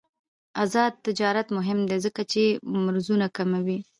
آزاد تجارت مهم دی ځکه چې مرزونه کموي.